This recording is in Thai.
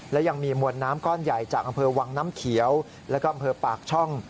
และยังมีมวลน้ำก้อนใหญ่จากดวังน้ำเขียวดรปากช่อง